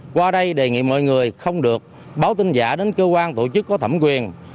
qua đây đề nghị mọi người không được báo tin giả đến cơ quan tổ chức có thẩm quyền